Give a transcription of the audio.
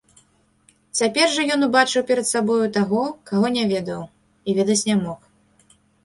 Цяпер жа ён убачыў перад сабою таго, каго не ведаў і ведаць не мог.